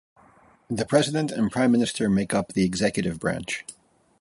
A president and prime minister make up the executive branch.